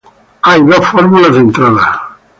Hay dos fórmulas de entrada.